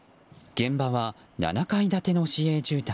現場は７階建ての市営住宅。